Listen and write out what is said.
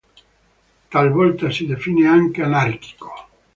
Talvolta si definì anche anarchico.